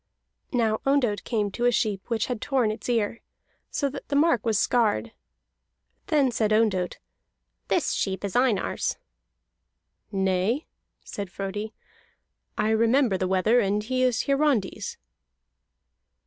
Now Ondott came to a sheep which had torn its ear, so that the mark was scarred. Then said Ondott: "This sheep is Einar's." "Nay," said Frodi, "I remember the wether, and he is Hiarandi's."